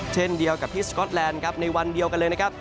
เช่นเดียวกับที่สก๊อตแลนด์ครับในวันเดียวกันเลยนะครับ